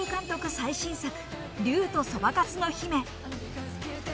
最新作『竜とそばかすの姫』。